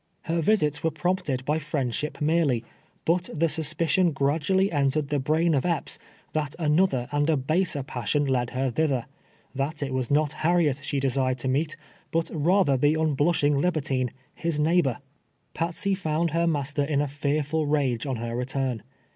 Her visits were prompted by friendship merely, but the suspi cion gradually entered the brain of Epps, that another and a baser passion led her thither — that it was not Harriet she desired to meet, but rather the unblush ing libertine, his neighbor. Patsey found her master in a fearful rage on her return.